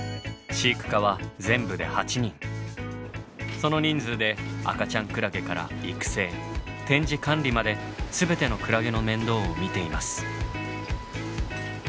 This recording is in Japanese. その人数で赤ちゃんクラゲから育成展示管理まで全てのクラゲの面倒を見ています。